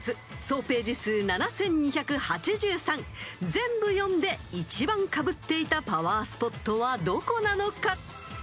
［全部読んで１番かぶっていたパワースポットはどこなのか］